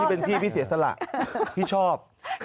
เป็นพี่พี่เสียสละพี่ชอบ